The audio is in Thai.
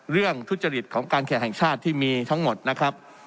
เรื่องทุจริตของการแข่งขาดที่มีทั้งหมดนะครับ